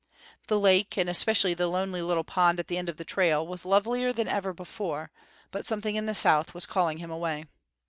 The lake, and especially the lonely little pond at the end of the trail, was lovelier than ever before; but something in the south was calling him away.